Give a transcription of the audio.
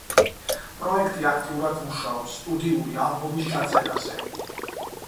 პროექტი აქტიურად მუშაობს სტუდიური ალბომის ჩაწერაზე.